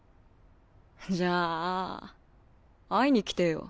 じゃあ会いに来てよ